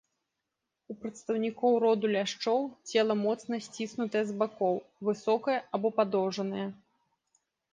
У прадстаўнікоў роду ляшчоў цела моцна сціснутае з бакоў, высокае або падоўжанае.